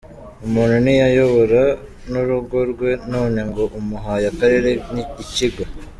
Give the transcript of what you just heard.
Umuntu ntiyayobora n’urugo rwe none ngo umuhaye akarere, ikigo.